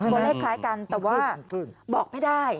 ตัวเลขคล้ายกันแต่ว่าบอกไม่ได้